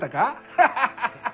ハハハッ。